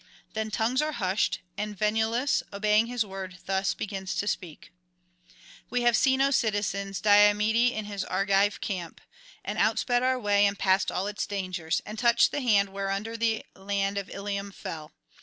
Then tongues are hushed; and Venulus, obeying his word, thus begins to speak: 'We have seen, O citizens, Diomede in his Argive camp, and outsped our way and passed all its dangers, and touched the hand whereunder the land of Ilium fell.